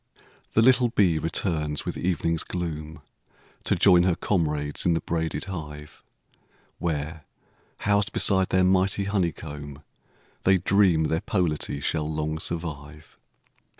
The little bee returns with evening's gloom, To join her comrades in the braided hive, Where, housed beside their mighty honeycomb, They dream their polity shall long survive.